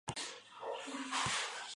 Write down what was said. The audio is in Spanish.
Reside cierto tiempo en París.